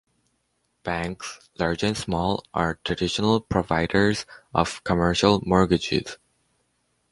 Banks, large and small, are traditional providers of commercial mortgages.